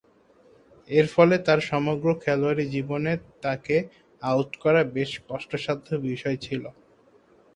এরফলে তার সমগ্র খেলোয়াড়ী জীবনে তাকে আউট করা বেশ কষ্টসাধ্য বিষয় ছিল।